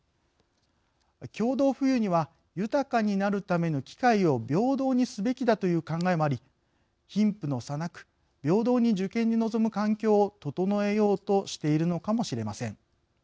共同富裕には豊かになるための機会を平等にすべきだという考えもあり貧富の差なく平等に受験に臨む環境を整えようとしているのかもしれません。